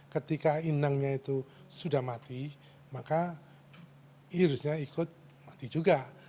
ketika inangnya itu sudah mati maka virusnya ikut mati juga